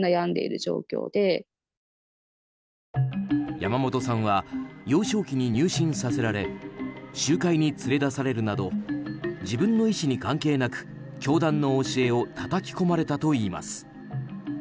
山本さんは幼少期に入信させられ集会に連れ出されるなど自分の意思に関係なく教団の教えをたたき込まれたといいます。